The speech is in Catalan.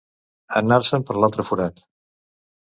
Anar-se'n per l'altre forat.